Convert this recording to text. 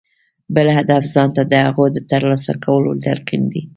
بل هدف ځان ته د هغو د ترلاسه کولو تلقين دی.